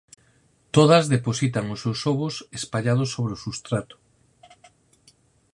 Todas depositan os seus ovos espallados sobre o substrato.